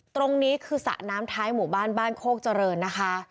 สระน้ำท้ายหมู่บ้านบ้านโคกเจริญนะคะ